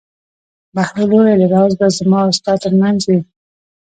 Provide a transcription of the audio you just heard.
بهلول وویل: راز به زما او ستا تر منځ وي.